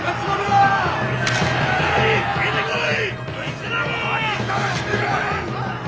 出てこい！